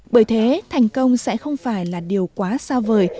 bởi thế thành công sẽ không phải là điều quá xa vời